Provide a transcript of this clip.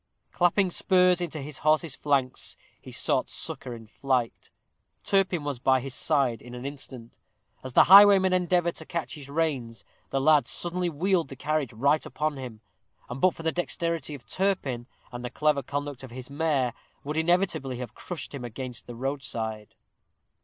Clapping spurs into his horse's flanks, he sought succor in flight. Turpin was by his side in an instant. As the highwayman endeavored to catch his reins, the lad suddenly wheeled the carriage right upon him, and but for the dexterity of Turpin, and the clever conduct of his mare, would inevitably have crushed him against the roadside.